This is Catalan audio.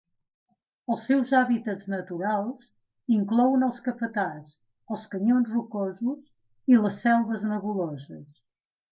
Els seus hàbitats naturals inclouen els cafetars, els canyons rocosos i les selves nebuloses.